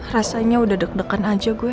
rasanya udah deg degan aja gue